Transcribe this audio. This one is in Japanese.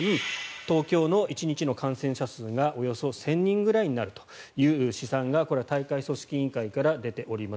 東京の１日の感染者数がおよそ１０００人ぐらいになるという試算がこれは大会組織委員会から出ています。